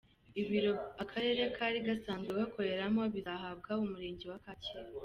Ibiro akarere kari gasanzwe gakoreramo bizahabwa umurenge wa Kacyiru.